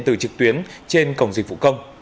các hộ chiếu trực tuyến trên cổng dịch vụ công